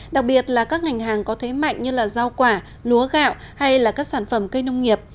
đặc biệt là các ngành hàng có thế mạnh như rau quả lúa gạo hay là các sản phẩm cây nông nghiệp